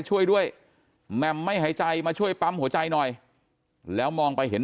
ช่วยด้วยแหม่มไม่หายใจมาช่วยปั๊มหัวใจหน่อยแล้วมองไปเห็น